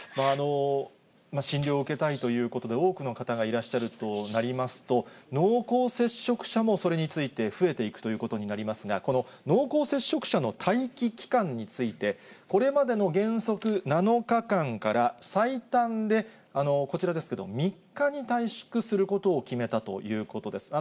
診療を受けたいということで、多くの方がいらっしゃるとなりますと、濃厚接触者もそれについて増えていくということになりますが、この濃厚接触者の待機期間について、これまでの原則７日間から、最短でこちらですけど、３日に短縮することを決めたということです。